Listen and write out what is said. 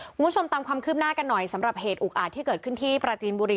คุณผู้ชมตามความคืบหน้ากันหน่อยสำหรับเหตุอุกอาจที่เกิดขึ้นที่ปราจีนบุรี